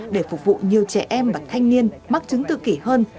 để phục vụ nhiều trẻ em và thanh niên mắc chứng tự kỷ hơn